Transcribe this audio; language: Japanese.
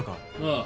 ああ。